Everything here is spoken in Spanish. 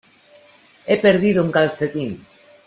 He perdido un calcetín.